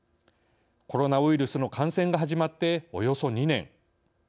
コロナウイルスの感染が始まっておよそ２年。